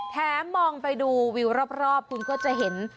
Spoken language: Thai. มองไปดูวิวรอบคุณก็จะเห็น